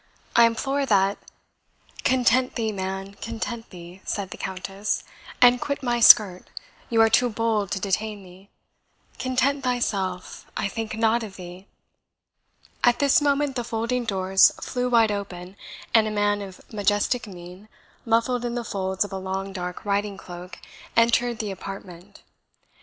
I implore that " "Content thee, man content thee!" said the Countess, "and quit my skirt you are too bold to detain me. Content thyself, I think not of thee." At this moment the folding doors flew wide open, and a man of majestic mien, muffled in the folds of a long dark riding cloak, entered the apartment.